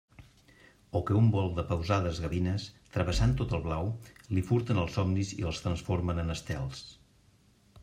O que un vol de pausades gavines, travessant tot el blau, li furten els somnis i els transformen en estels.